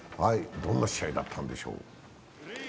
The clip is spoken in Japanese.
どんな試合だったんでしょう。